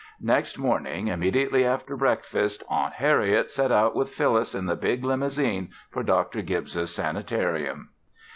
Next morning immediately after breakfast, "Aunt Harriet" set out with Phyllis in the big limousine for Doctor Gibbs' sanitarium.